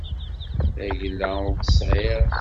Tagella ur tt-sεiɣ.